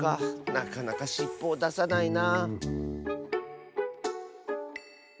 なかなかしっぽをださないな。